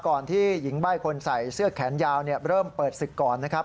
ก่อนที่หญิงใบ้คนใส่เสื้อแขนยาวเริ่มเปิดศึกก่อนนะครับ